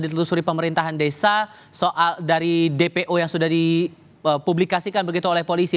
ditelusuri pemerintahan desa soal dari dpo yang sudah dipublikasikan begitu oleh polisi